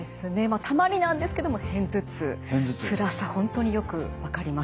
たまになんですけども片頭痛つらさ本当によく分かります。